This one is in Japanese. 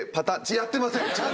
やってません。